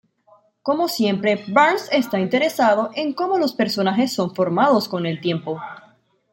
Como siempre, Barnes está interesado en cómo los personajes son formados con el tiempo.